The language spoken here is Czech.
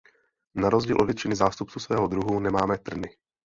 Na rozdíl od většiny zástupců svého druhu nemá trny.